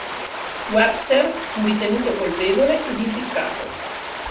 Webster fu ritenuto colpevole ed impiccato.